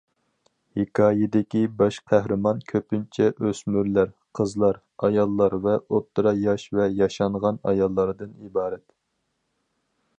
ھېكايىدىكى باش قەھرىمان كۆپىنچە ئۆسمۈرلەر، قىزلار، ئاياللار ۋە ئوتتۇرا ياش ۋە ياشانغان ئاياللاردىن ئىبارەت.